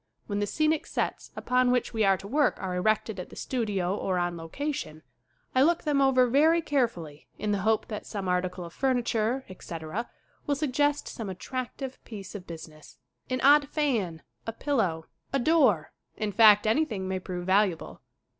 When the scenic sets upon which we are to work are erected at the studio or on location, I look them over very carefully in the hope that some article of furniture, etc., will suggest some attractive piece of business. An odd fan, a pillow, a door, in fact, anything may prove valuable.